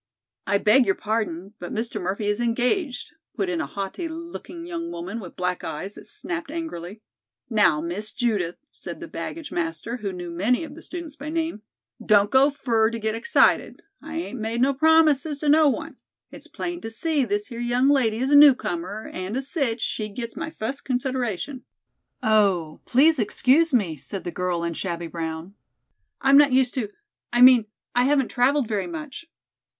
"I beg your pardon, but Mr. Murphy is engaged," put in a haughty looking young woman with black eyes that snapped angrily. "Now, Miss Judith," said the baggage master, who knew many of the students by name, "don't go fer to git excited. I ain't made no promises to no one. It's plain to see this here young lady is a newcomer, and, as sich, she gits my fust consideration." "Oh, please excuse me," said the girl in shabby brown. "I'm not used to I mean I haven't traveled very much."